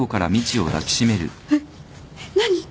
えっ何！？